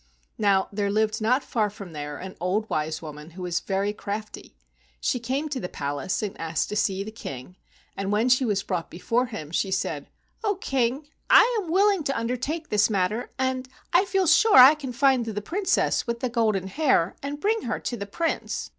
Now there lived not far from there an old wise woman who was very crafty. She came to the palace and asked to see the King, and when she was brought before him she said, "Oh, King, I am willing to undertake this matter, and I feel sure I can find the Princess with the golden hair and bring her to the Prince.